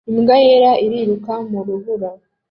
imbwa yera iriruka mu rubura